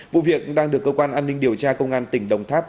vụ việc đang được cơ quan an ninh điều tra công an tỉnh đồng tháp